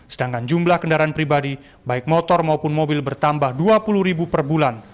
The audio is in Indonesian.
sedangkan jumlah kendaraan pribadi baik motor maupun mobil bertambah dua puluh ribu per bulan